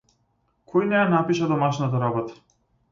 Кој не ја напиша домашната работа?